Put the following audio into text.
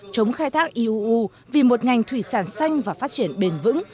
chống khai thác iuu vì một ngành thủy sản xanh và phát triển bền vững